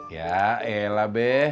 ya elah be